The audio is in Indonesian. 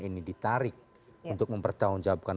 ini ditarik untuk mempertahankan